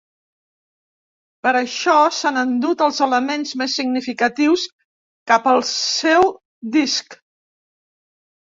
Per això s'han endut els elements més significatius cap al seu disc.